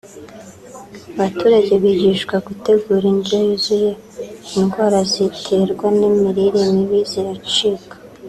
abaturage bigishwa gutegura indyo yuzuye indwara ziterwa n’imirire mibi ziracika